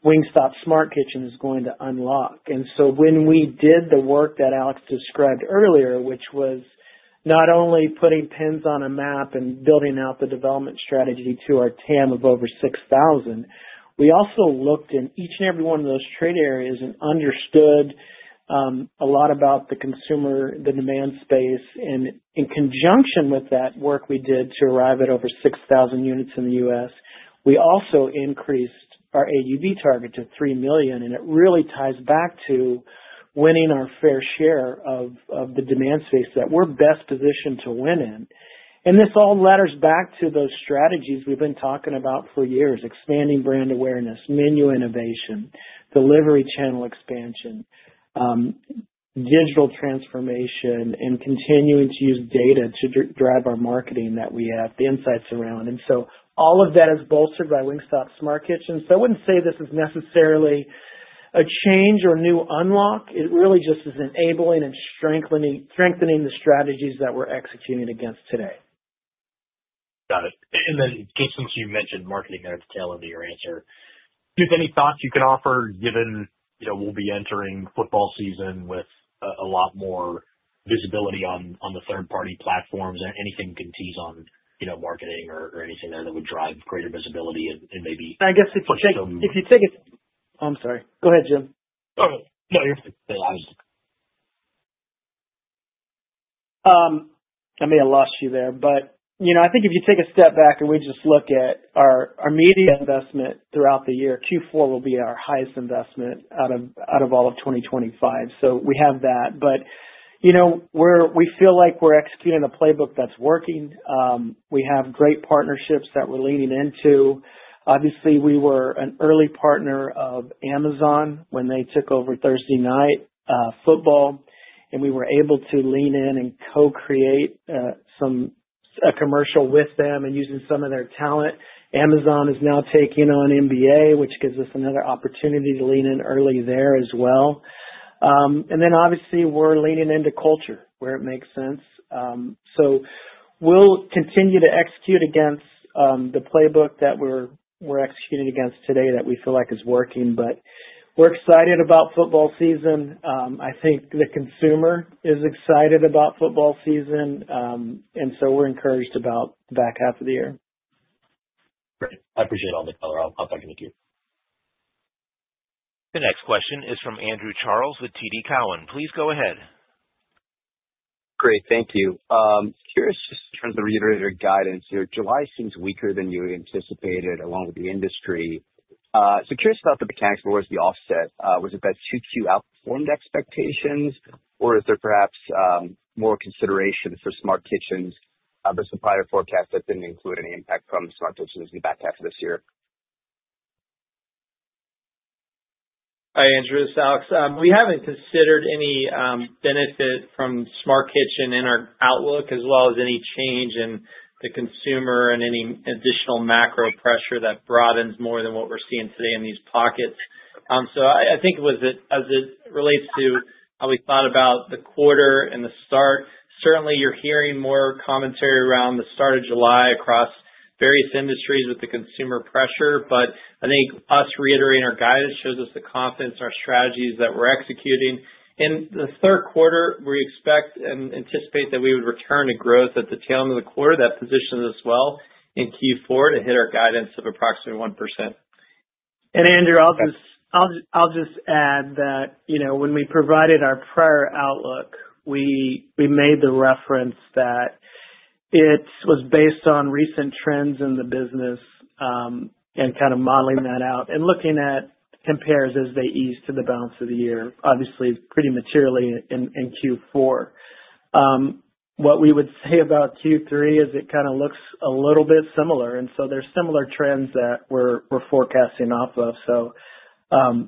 Wingstop Smart Kitchen is going to unlock. When we did the work that Alex described earlier, which was not only putting pens on a map and building out the development strategy to our TAM of over 6,000, we also looked in each and every one of those trade areas and understood a lot about the consumer, the demand space. In conjunction with that work we did to arrive at over 6,000 units in the U.S., we also increased our AUV target to $3 million. It really ties back to winning our fair share of the demand space that we're best positioned to win in. This all ladders back to those strategies we've been talking about for years: expanding brand awareness, menu innovation, delivery channel expansion, digital transformation, and continuing to use data to drive our marketing that we have the insights around. All of that is bolstered by Wingstop Smart Kitchen. I wouldn't say this is necessarily a change or new unlock. It really just is enabling and strengthening the strategies that we're executing against today. Got it. You mentioned marketing there to tailor to your answer. Do you have any thoughts you can offer given, you know, we'll be entering football season with a lot more visibility on the third-party platforms? Anything you can tease on marketing or anything there that would drive greater visibility and maybe push some? I guess if you take a—I'm sorry. Go ahead, Jim. Oh, no, you're fine. I may have lost you there, but you know, I think if you take a step back and we just look at our media investment throughout the year, Q4 will be our highest investment out of all of 2025. We have that, but you know, we feel like we're executing a playbook that's working. We have great partnerships that we're leaning into. Obviously, we were an early partner of Amazon when they took over Thursday Night Football, and we were able to lean in and co-create a commercial with them and using some of their talent. Amazon is now taking on NBA, which gives us another opportunity to lean in early there as well. Obviously, we're leaning into culture where it makes sense. We will continue to execute against the playbook that we're executing against today that we feel like is working. We're excited about football season. I think the consumer is excited about football season, and we're encouraged about the back half of the year. Great. I appreciate all the color. I'll talk to you in a few. The next question is from Andrew Charles with TD Cowen. Please go ahead. Great. Thank you. Curious just in terms of reiterated guidance here. July seems weaker than you had anticipated along with the industry, so curious about the mechanics for the offset. Was it that 2Q outperformed expectations, or is there perhaps more consideration for Smart Kitchen? The supplier forecast didn't include any impact from Smart Kitchen in the back half of this year. Hi, Andrew. This is Alex. We haven't considered any benefit from Wingstop Smart Kitchen in our outlook, as well as any change in the consumer and any additional macro pressure that broadens more than what we're seeing today in these pockets. I think as it relates to how we thought about the quarter and the start, certainly, you're hearing more commentary around the start of July across various industries with the consumer pressure. I think us reiterating our guidance shows us the confidence in our strategies that we're executing. In the third quarter, we expect and anticipate that we would return to growth at the tail end of the quarter that positions us well in Q4 to hit our guidance of approximately 1%. Andrew, I'll just add that, you know, when we provided our prior outlook, we made the reference that it was based on recent trends in the business, and kind of modeling that out and looking at compares as they ease to the balance of the year, obviously, pretty materially in Q4. What we would say about Q3 is it kind of looks a little bit similar. There are similar trends that we're forecasting off of.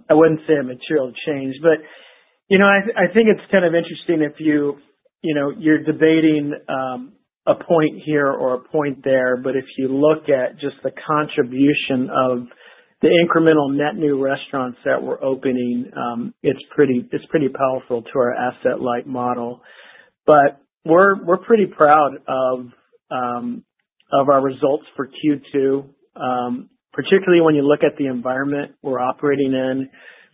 I wouldn't say a material change. I think it's kind of interesting if you're debating a point here or a point there. If you look at just the contribution of the incremental net new restaurants that we're opening, it's pretty powerful to our asset-light model. We're pretty proud of our results for Q2, particularly when you look at the environment we're operating in,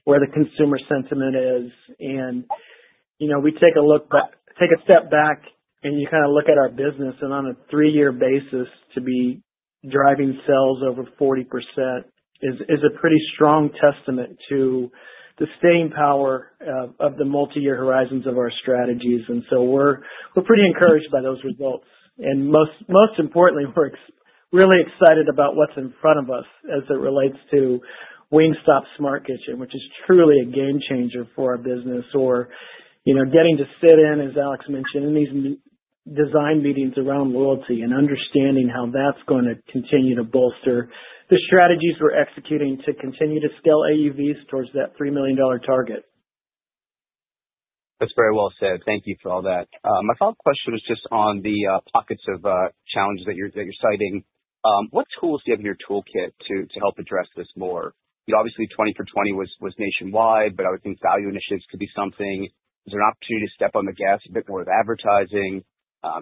where the consumer sentiment is. You know, we take a look back, take a step back, and you kind of look at our business. On a three-year basis, to be driving sales over 40% is a pretty strong testament to the staying power of the multi-year horizons of our strategies. We're pretty encouraged by those results. Most importantly, we're really excited about what's in front of us as it relates to Wingstop Smart Kitchen, which is truly a game changer for our business. You know, getting to sit in, as Alex mentioned, in these design meetings around loyalty and understanding how that's going to continue to bolster the strategies we're executing to continue to scale AUVs towards that $3 million target. That's very well said. Thank you for all that. My follow-up question is just on the pockets of challenges that you're citing. What tools do you have in your toolkit to help address this more? Obviously, 20 for $20 was nationwide, but I would think value initiatives could be something. Is there an opportunity to step on the gas a bit more with advertising?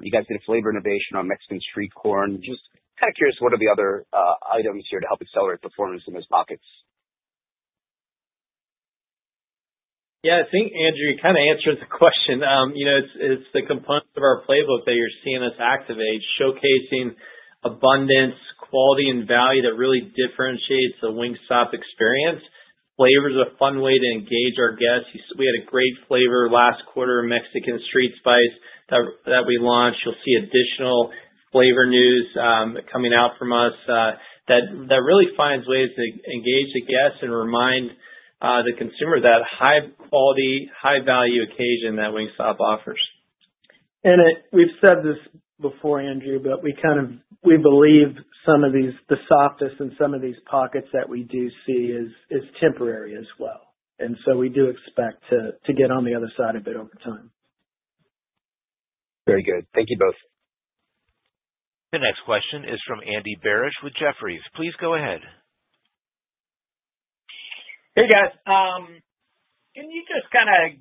You guys did a flavor innovation on Mexican street corn. Just kind of curious, what are the other items here to help accelerate performance in those pockets? Yeah, I think Andrew kind of answered the question. It's the components of our playbook that you're seeing us activate, showcasing abundance, quality, and value that really differentiates the Wingstop experience. Flavors are a fun way to engage our guests. We had a great flavor last quarter, Mexican street spice that we launched. You'll see additional flavor news coming out from us that really finds ways to engage the guests and remind the consumer of that high quality, high value occasion that Wingstop offers. We've said this before, Andrew, but we believe some of the softness in some of these pockets that we do see is temporary as well. We do expect to get on the other side of it over time. Very good. Thank you both. The next question is from Andy Barish with Jefferies. Please go ahead. Hey, guys. Can you just kind of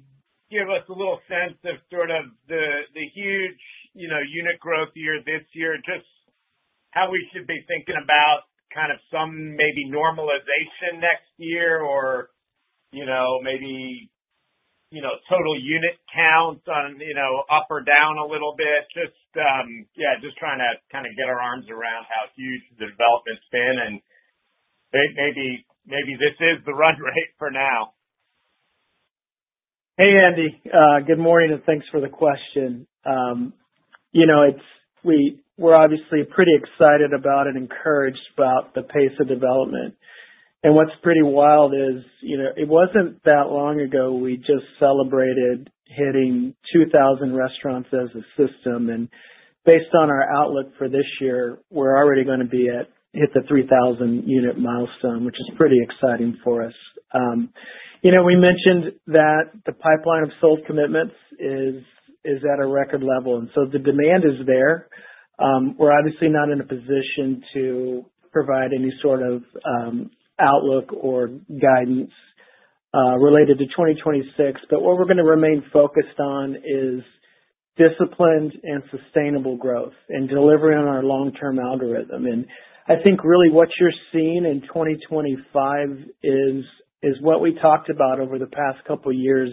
give us a little sense of the huge, you know, unit growth year this year, just how we should be thinking about kind of some maybe normalization next year or, you know, maybe, you know, total unit counts on, you know, up or down a little bit? Just trying to kind of get our arms around how huge the development's been. Maybe this is the run rate for now. Hey, Andy. Good morning, and thanks for the question. We're obviously pretty excited about and encouraged about the pace of development. What's pretty wild is it wasn't that long ago we just celebrated hitting 2,000 restaurants as a system. Based on our outlook for this year, we're already going to hit the 3,000 unit milestone, which is pretty exciting for us. We mentioned that the pipeline of sold commitments is at a record level, and the demand is there. We're obviously not in a position to provide any sort of outlook or guidance related to 2026. What we're going to remain focused on is disciplined and sustainable growth and delivering on our long-term algorithm. I think really what you're seeing in 2025 is what we talked about over the past couple of years.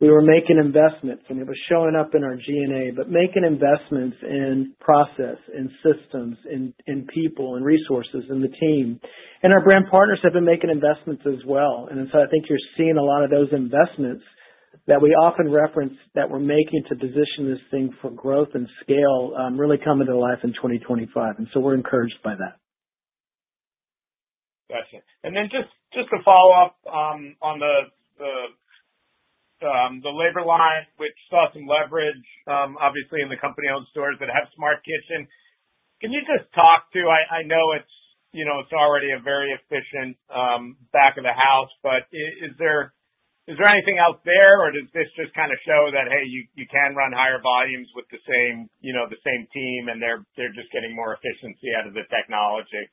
We were making investments, and it was showing up in our G&A, but making investments in process, in systems, in people, in resources, in the team. Our brand partners have been making investments as well. I think you're seeing a lot of those investments that we often reference that we're making to position this thing for growth and scale really come into life in 2025, and we're encouraged by that. Gotcha. Just to follow up on the labor line, which saw some leverage, obviously in the company-owned stores that have Smart Kitchen. Can you just talk to, I know it's already a very efficient back of the house, but is there anything else there, or does this just kind of show that, hey, you can run higher volumes with the same team, and they're just getting more efficiency out of the technology?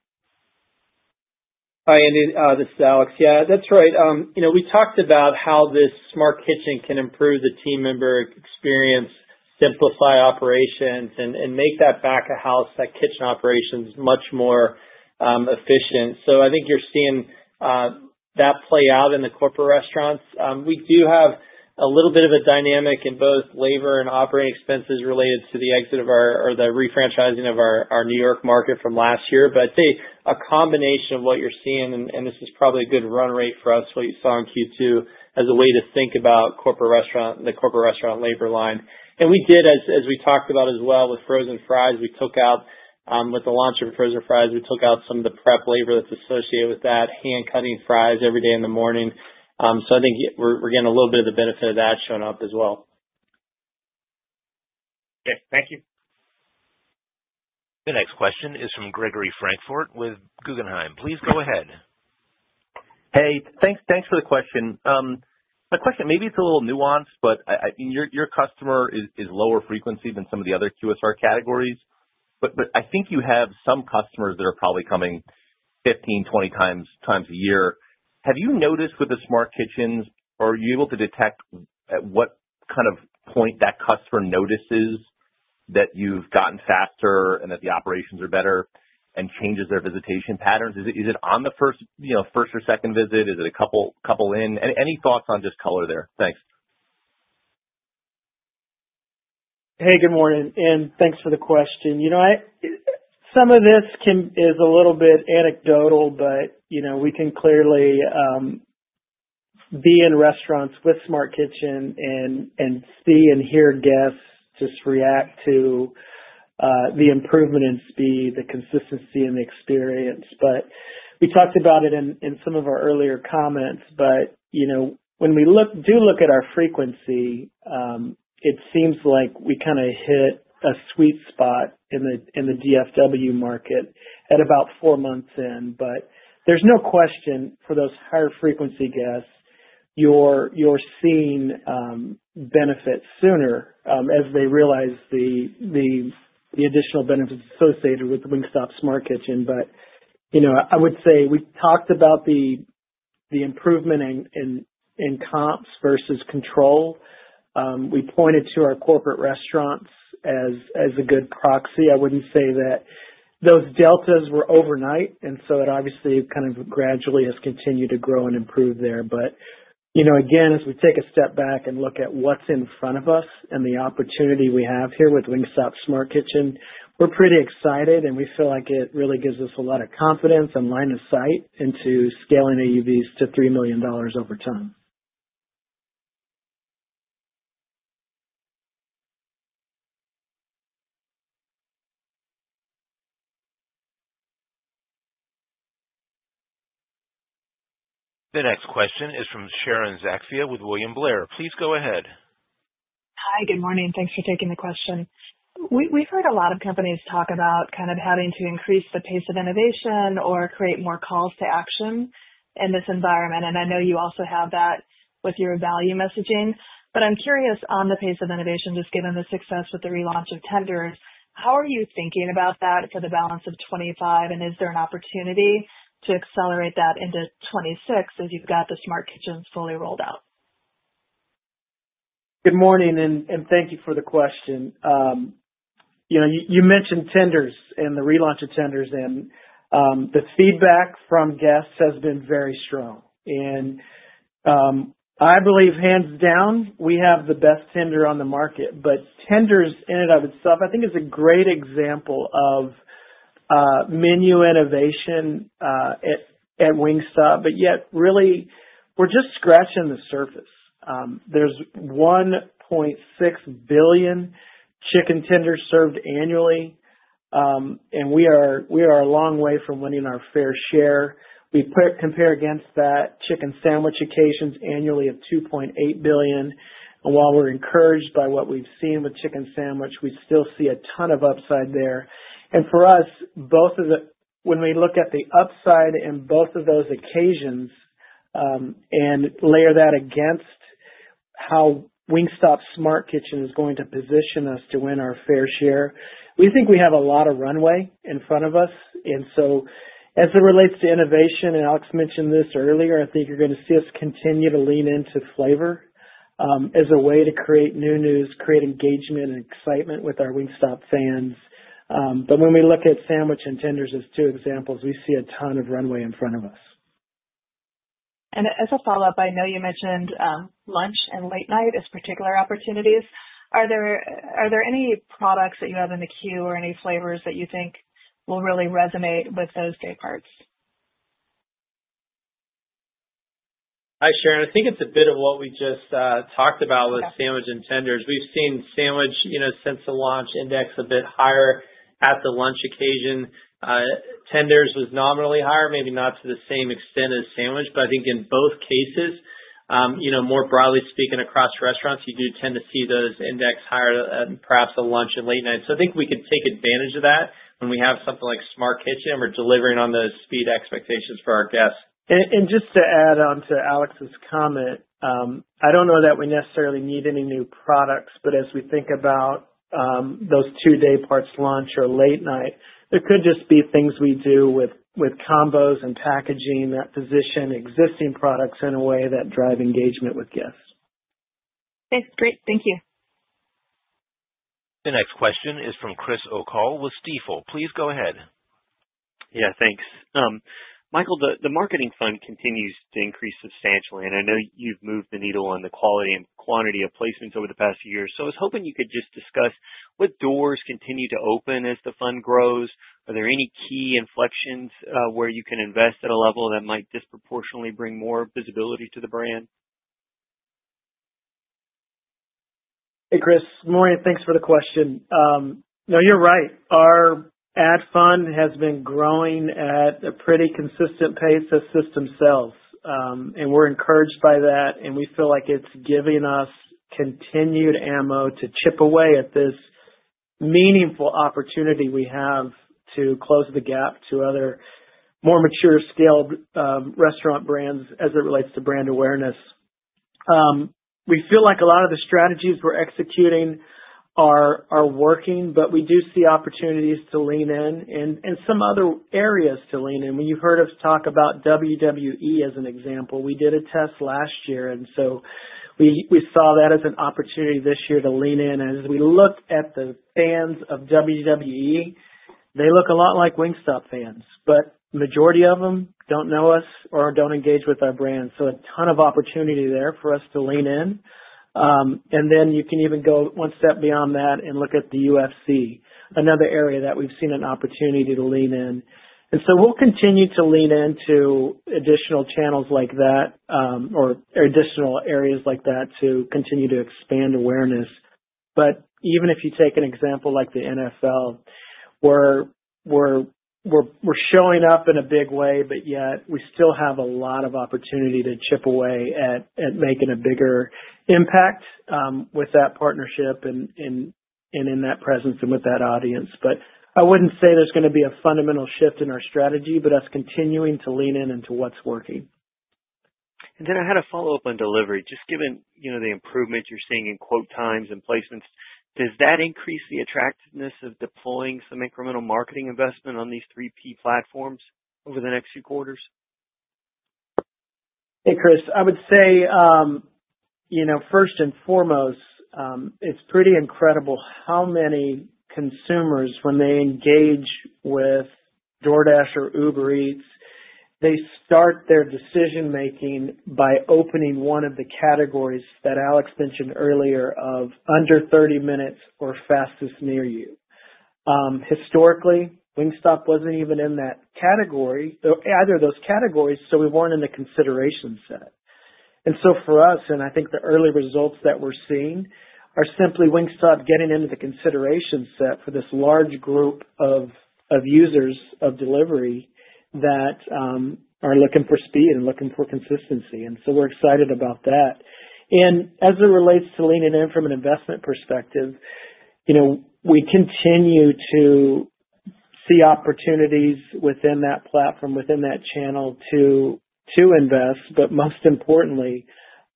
Hi, Andy. This is Alex. Yeah, that's right. You know, we talked about how this Smart Kitchen can improve the team member experience, simplify operations, and make that back of house, that kitchen operations much more efficient. I think you're seeing that play out in the corporate restaurants. We do have a little bit of a dynamic in both labor and operating expenses related to the exit of our or the refranchising of our New York market from last year. I'd say a combination of what you're seeing, and this is probably a good run rate for us, what you saw in Q2 as a way to think about the corporate restaurant labor line. We did, as we talked about as well, with frozen fries, we took out, with the launch of the frozen fries, we took out some of the prep labor that's associated with that, hand-cutting fries every day in the morning. I think we're getting a little bit of the benefit of that showing up as well. Okay, thank you. The next question is from Gregory Francfort with Guggenheim Securities. Please go ahead. Hey, thanks for the question. My question, maybe it's a little nuanced, but your customer is lower frequency than some of the other QSR categories. I think you have some customers that are probably coming 15, 20 times a year. Have you noticed with the Smart Kitchen, or are you able to detect at what kind of point that customer notices that you've gotten faster and that the operations are better and changes their visitation patterns? Is it on the first or second visit? Is it a couple in? Any thoughts on just color there? Thanks. Hey, good morning. Thanks for the question. Some of this is a little bit anecdotal, but we can clearly be in restaurants with Smart Kitchen and see and hear guests just react to the improvement in speed, the consistency in the experience. We talked about it in some of our earlier comments. When we do look at our frequency, it seems like we kind of hit a sweet spot in the DFW market at about four months in. There's no question for those higher frequency guests, you're seeing benefits sooner, as they realize the additional benefits associated with Wingstop Smart Kitchen. I would say we talked about the improvement in comps versus control. We pointed to our corporate restaurants as a good proxy. I wouldn't say that those deltas were overnight. It obviously kind of gradually has continued to grow and improve there. Again, as we take a step back and look at what's in front of us and the opportunity we have here with Wingstop Smart Kitchen, we're pretty excited, and we feel like it really gives us a lot of confidence and line of sight into scaling AUVs to $3 million over time. The next question is from Sharon Zackfia with William Blair. Please go ahead. Hi, good morning. Thanks for taking the question. We've heard a lot of companies talk about kind of having to increase the pace of innovation or create more calls to action in this environment. I know you also have that with your value messaging. I'm curious on the pace of innovation, just given the success with the relaunch of tenders. How are you thinking about that for the balance of 2025, and is there an opportunity to accelerate that into 2026 as you've got the Smart Kitchen fully rolled out? Good morning, and thank you for the question. You know, you mentioned tenders and the relaunch of tenders, and the feedback from guests has been very strong. I believe hands down, we have the best tender on the market. Tenders in and of itself, I think, is a great example of menu innovation at Wingstop. Yet, really, we're just scratching the surface. There's 1.6 billion chicken tenders served annually, and we are a long way from winning our fair share. We compare against that chicken sandwich occasions annually of 2.8 billion. While we're encouraged by what we've seen with chicken sandwich, we still see a ton of upside there. For us, when we look at the upside in both of those occasions, and layer that against how Wingstop Smart Kitchen is going to position us to win our fair share, we think we have a lot of runway in front of us. As it relates to innovation, and Alex mentioned this earlier, I think you're going to see us continue to lean into flavor as a way to create new news, create engagement and excitement with our Wingstop fans. When we look at sandwich and tenders as two examples, we see a ton of runway in front of us. As a follow-up, I know you mentioned lunch and late night as particular opportunities. Are there any products that you have in the queue or any flavors that you think will really resonate with those day parts? Hi, Sharon. I think it's a bit of what we just talked about with sandwich and tenders. We've seen sandwich, you know, since the launch index a bit higher at the lunch occasion. Tenders was nominally higher, maybe not to the same extent as sandwich, but I think in both cases, you know, more broadly speaking across restaurants, you do tend to see those index higher and perhaps at lunch and late night. I think we could take advantage of that when we have something like Smart Kitchen and we're delivering on those speed expectations for our guests. Just to add on to Alex Kaleida's comment, I don't know that we necessarily need any new products, but as we think about those two dayparts, lunch or late night, there could just be things we do with combos and packaging that position existing products in a way that drive engagement with guests. Okay. Great. Thank you. The next question is from Chris O'Cull with Stifel. Please go ahead. Yeah, thanks. Michael, the marketing fund continues to increase substantially. I know you've moved the needle on the quality and quantity of placements over the past few years. I was hoping you could just discuss what doors continue to open as the fund grows. Are there any key inflections where you can invest at a level that might disproportionately bring more visibility to the brand? Hey, Chris. Good morning. Thanks for the question. No, you're right. Our ad fund has been growing at a pretty consistent pace of system sales, and we're encouraged by that. We feel like it's giving us continued ammo to chip away at this meaningful opportunity we have to close the gap to other more mature, scaled restaurant brands as it relates to brand awareness. We feel like a lot of the strategies we're executing are working, but we do see opportunities to lean in and some other areas to lean in. When you've heard us talk about WWE as an example, we did a test last year. We saw that as an opportunity this year to lean in. As we look at the fans of WWE, they look a lot like Wingstop fans, but the majority of them don't know us or don't engage with our brand. A ton of opportunity there for us to lean in. You can even go one step beyond that and look at the UFC, another area that we've seen an opportunity to lean in. We'll continue to lean into additional channels like that, or additional areas like that to continue to expand awareness. Even if you take an example like the NFL, we're showing up in a big way, but yet we still have a lot of opportunity to chip away at making a bigger impact with that partnership and in that presence and with that audience. I wouldn't say there's going to be a fundamental shift in our strategy, but us continuing to lean in into what's working. I had a follow-up on delivery. Given the improvement you're seeing in quote times and placements, does that increase the attractiveness of deploying some incremental marketing investment on these third-party platforms over the next few quarters? Hey, Chris. I would say, you know, first and foremost, it's pretty incredible how many consumers, when they engage with DoorDash or Uber Eats, they start their decision-making by opening one of the categories that Alex mentioned earlier of under 30 minutes or fastest near you. Historically, Wingstop wasn't even in that category, either of those categories, so we weren't in the consideration set. For us, and I think the early results that we're seeing are simply Wingstop getting into the consideration set for this large group of users of delivery that are looking for speed and looking for consistency. We're excited about that. As it relates to leaning in from an investment perspective, we continue to see opportunities within that platform, within that channel to invest. Most importantly,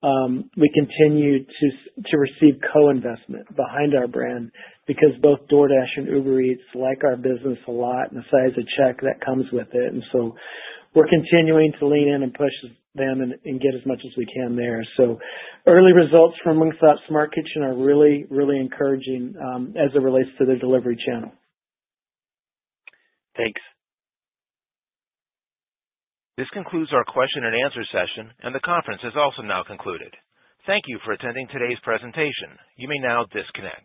we continue to receive co-investment behind our brand because both DoorDash and Uber Eats like our business a lot and the size of the check that comes with it. We're continuing to lean in and push them and get as much as we can there. Early results from Wingstop Smart Kitchen are really, really encouraging, as it relates to their delivery channel. Thanks. This concludes our question and answer session, and the conference is also now concluded. Thank you for attending today's presentation. You may now disconnect.